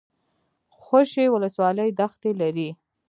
خوشي ولسوالۍ دښتې لري؟